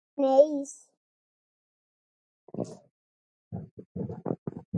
Reís.